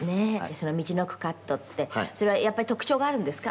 そのみちのくカットってそれはやっぱり特徴があるんですか？」